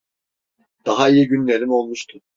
Daha iyi günlerim olmuştu.